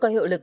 có hiệu lực